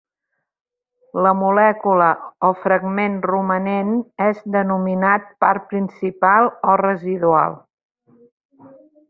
La molècula o fragment romanent és denominat part principal o residual.